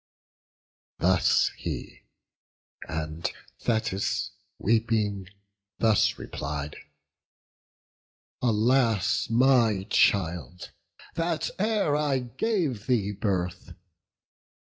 Thus he; and Thetis, weeping, thus replied: "Alas, my child, that e'er I gave thee birth!